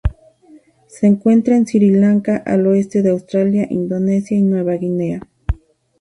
Se encuentra en Sri Lanka, al oeste de Australia, Indonesia y Nueva Guinea.